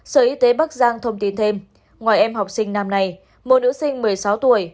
sở y tế bắc giang thông tin thêm ngoài em học sinh nam này một nữ sinh một mươi sáu tuổi